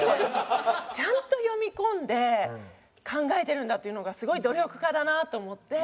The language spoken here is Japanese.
ちゃんと読み込んで考えてるんだっていうのがすごい努力家だなと思って。